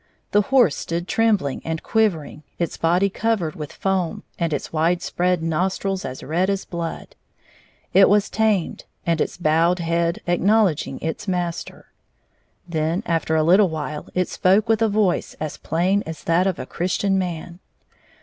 The horse stood trembUng and quivering, its body covered with foam, and its wide spread nostrils as red as blood. It was tamed, and it bowed its head acknowledging its master. Then after a Uttle while it spoke with a voice as plain as that of a Christian man.